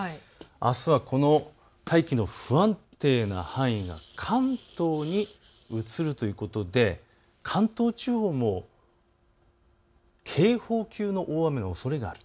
あすは大気の不安定な範囲が関東に移るということで関東地方にも警報級の大雨のおそれが。